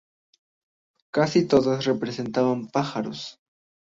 Casi todas representaban pájaros.